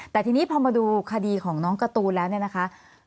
แต่ทีนี้พอมาดูคดีของน้องการ์ตูนแล้วเนี่ยนะคะ